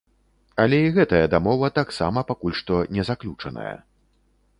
Але і гэтая дамова таксама пакуль што не заключаная.